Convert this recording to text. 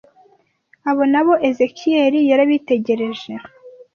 Abo na bo Ezekiyeli yarabitegereje